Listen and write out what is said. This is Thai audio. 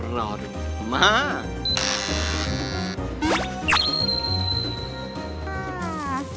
รอดูมาก